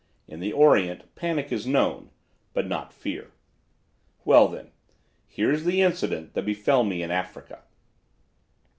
In the Orient panic is known, but not fear. "Well, then! Here is the incident that befell me in Africa.